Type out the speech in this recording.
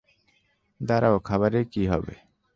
দাঁড়াও, খাবারের কী হবে?